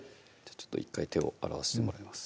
１回手を洗わしてもらいます